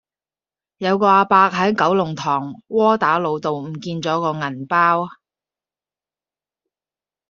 有個亞伯喺九龍塘窩打老道唔見左個銀包